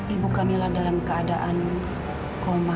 ibu camilan dalam keadaan koma